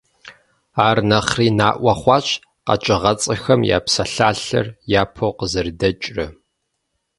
Ар нэхъри наӏуэ хъуащ «Къэкӏыгъэцӏэхэм я псалъалъэр» япэу къызэрыдэкӏрэ.